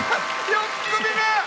４組目！